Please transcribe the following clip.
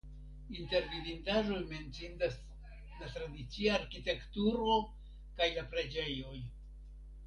Inter vidindaĵoj menciindas la tradicia arkitekturo kaj la preĝejoj.